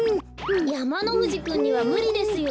やまのふじくんにはむりですよ。